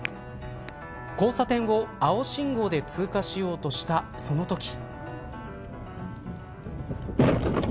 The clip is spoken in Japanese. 交差点を青信号で通過しようとした、そのとき。